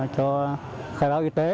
cho khai báo y tế